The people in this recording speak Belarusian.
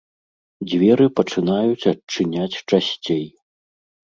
Дзверы пачынаюць адчыняць часцей.